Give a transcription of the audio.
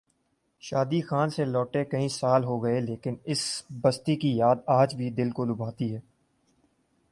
شادی خان سے لوٹے کئی سال ہو گئے لیکن اس بستی کی یاد آج بھی دل کو لبھاتی ہے۔